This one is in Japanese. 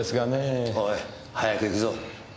おい早く行くぞ。